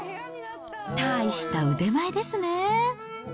たいした腕前ですね。